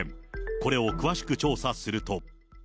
これを詳しく調査すると。